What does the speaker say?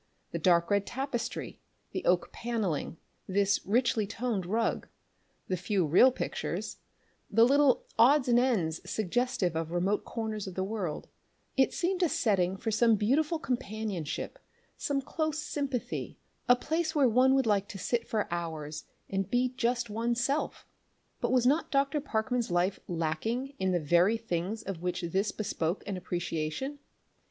The dark red tapestry, the oak panelling, this richly toned rug, the few real pictures, the little odds and ends suggestive of remote corners of the world it seemed a setting for some beautiful companionship, some close sympathy, a place where one would like to sit for hours and be just one's self. But was not Dr. Parkman's life lacking in the very things of which this bespoke an appreciation?